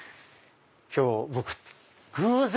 今日僕偶然！